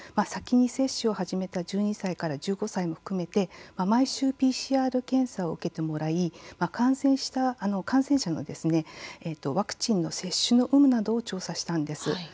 先に接種を始めた１２歳から１５歳も含めて毎週ＰＣＲ検査を受けてもらい感染者のワクチンの接種の有無などを調査したんです。